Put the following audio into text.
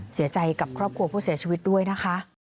เสียใจกับครอบครัวผู้เสียชีวิตด้วยนะคะ